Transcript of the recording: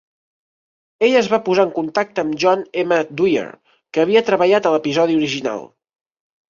Ella es va posar en contacte amb John M. Dwyer, que havia treballat a l'episodi original.